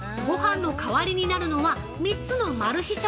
ごはんの代わりになるのは３つのマル秘